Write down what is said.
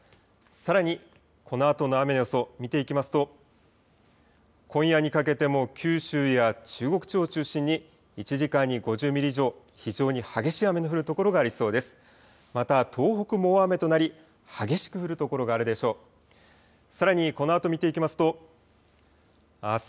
さらに、このあとの雨の予想、見ていきますと今夜にかけても九州や中国地方を中心に１時間に５０ミリ以上、非常に激しい雨の降る所がありそうです。